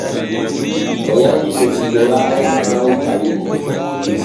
O yahii lokotoraare no nyaw tawi mo.